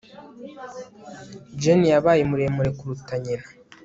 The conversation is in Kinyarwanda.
jane yabaye muremure kuruta nyina